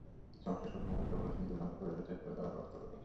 সংশ্লিষ্ট কর্মকর্তা বলেছেন, দুই ঘণ্টা পরে এলে চেক দেওয়ার চেষ্টা করবেন।